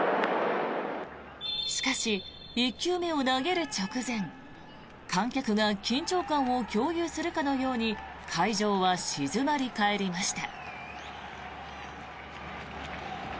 しかし、１球目を投げる直前観客が緊張感を共有するかのように会場は静まり返りました。